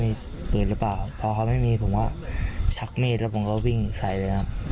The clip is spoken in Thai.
มีปืนหรือเปล่าพอเขาไม่มีผมก็ชักมีดแล้วผมก็วิ่งใส่เลยครับ